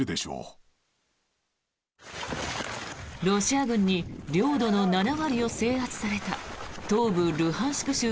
ロシア軍に領土の７割を制圧された東部ルハンシク